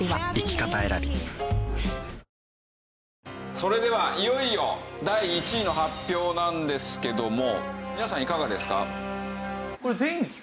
それではいよいよ第１位の発表なんですけども皆さんいかがですか？